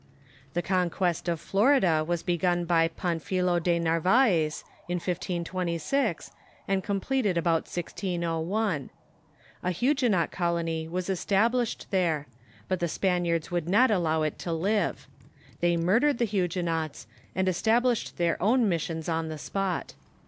The conquest of Florida was begun by Panfilo de Narvaez in 1526, and completed about 1601. A Huguenot colony was established there, but the Spaniards would not allow it to live. They murdered the Huguenots, and established their own missions on the spot.